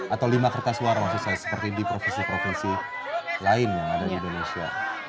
atau lima kertas suara seperti di provinsi provisi lainnya yang ada di indonesia